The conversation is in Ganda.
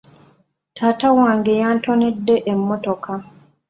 Taata wange yantonedde emmotoka.